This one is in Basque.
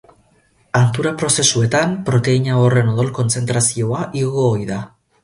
Hantura prozesuetan proteina horren odol-kontzentrazioa igo ohi da.